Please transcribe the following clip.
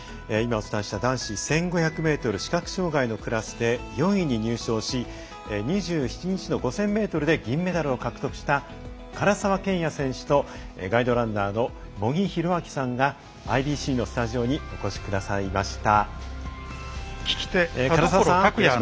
今、お伝えした男子１５００ｍ視覚障がいのクラスで４位に入賞し２７日の５０００ｍで銀メダルを獲得した唐澤剣也選手とガイドランナーの茂木洋晃さんがＩＢＣのスタジオにお越しくださいました。